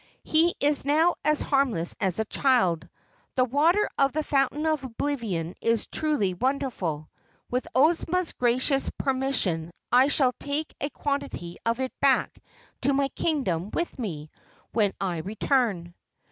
"He is now as harmless as a child. The water of the Fountain of Oblivion is truly wonderful. With Ozma's gracious permission I shall take a quantity of it back to my kingdom with me when I return."